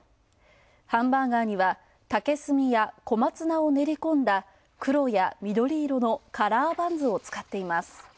ハンバーガーには、竹炭や小松菜を練りこんだ黒や緑色のカラーバンズを使っています。